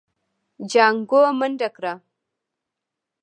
جانکو منډه کړه.